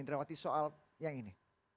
dari waktu soal yang ini